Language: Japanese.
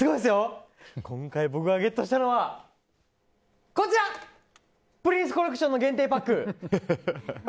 今回、僕がゲットしたのは「ぷりんすコレクション」の限定パック！